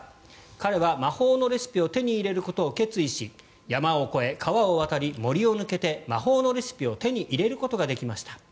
彼は魔法のレシピを手に入れることを決意し山を越え、川を渡り森を抜けて、魔法のレシピを手に入れることができました。